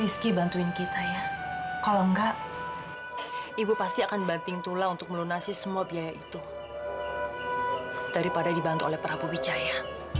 sampai jumpa di video selanjutnya